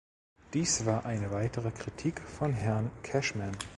Dies war eine weitere Kritik von Herrn Cashman.